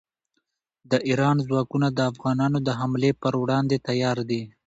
د ایران ځواکونه د افغانانو د حملې پر وړاندې تیار دي.